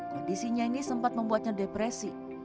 kondisinya ini sempat membuatnya depresi